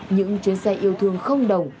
những chuyến xe yêu thương không đồng